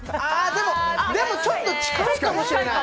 でもちょっと近いかもしれない。